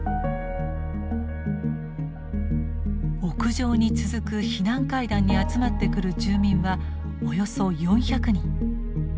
屋上に続く避難階段に集まってくる住民はおよそ４００人。